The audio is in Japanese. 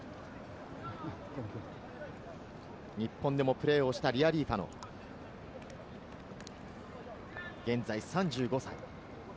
日本でもプレーをしたリアリーファノ、現在３５歳。